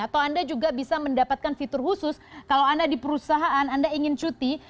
atau anda juga bisa mendapatkan fitur khusus kalau anda di perusahaan anda ingin cuti